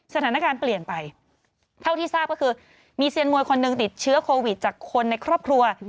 สถานการณ์เปลี่ยนไปเท่าที่ทราบก็คือมีเซียนมวยคนหนึ่งติดเชื้อโควิดจากคนในครอบครัว